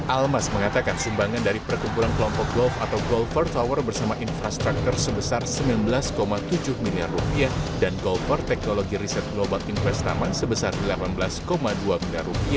almas mengatakan sumbangan dari perkumpulan kelompok golf atau golfer tower bersama infrastruktur sebesar rp sembilan belas tujuh miliar dan golfer teknologi riset global investaman sebesar rp delapan belas dua miliar